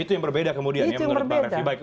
itu yang berbeda kemudian ya menurut bang refli